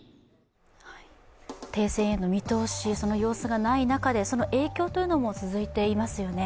停戦への見通し、その様子がない中で、その影響というのも続いていますよね。